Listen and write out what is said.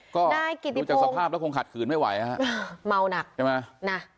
ก็ดูจากสภาพแล้วคงขัดขืนไม่ไหวฮะเมาหนักใช่ไหมน่ะ